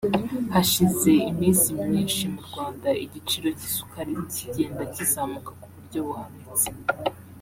Hashize iminsi myinshi mu Rwanda igiciro cy’isukari kigenda kizamuka ku buryo buhanitse